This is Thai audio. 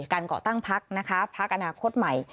การเกาะตั้งภักดิ์ภักดิ์อนาคตใหม่